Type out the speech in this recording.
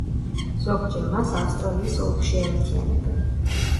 ზოგჯერ მას ავსტრალიის ოლქში აერთიანებენ.